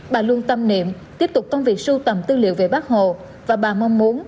bà luôn tâm niệm tiếp tục công việc sưu tầm tư liệu về bác hồ và bà mong muốn